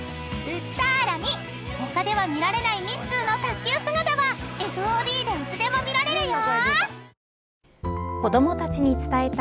［さらに他では見られないミッツーの卓球姿はＦＯＤでいつでも見られるよ］